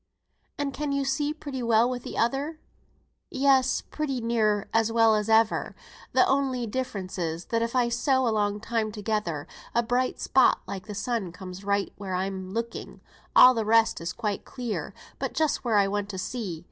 "And can you see pretty well with th' other?" "Yes, pretty near as well as ever. Th' only difference is, that if I sew a long time together, a bright spot like th' sun comes right where I'm looking; all the rest is quite clear but just where I want to see.